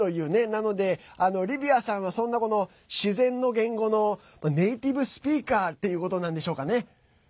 なので、リヴィアさんはそんな自然の言語のネイティブスピーカーっていうことなんでしょうかね。